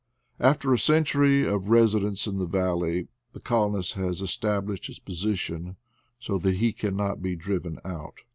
After a century of residence in the valley the col onist has established his position so that he can not be driven out.